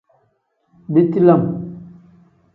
Biti lam.